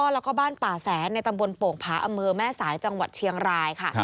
แล้วก็บ้านป่าแสนในตำบลโป่งผาอำเภอแม่สายจังหวัดเชียงรายค่ะ